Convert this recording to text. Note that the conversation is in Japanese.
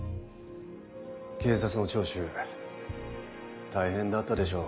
警察の聴取大変だったでしょう。